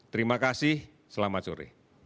terima kasih selamat sore